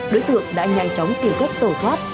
đối tượng đã nhanh chóng tiêu kết tổ thoát